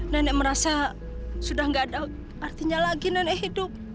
nenek merasa sudah tidak ada artinya lagi nenek hidup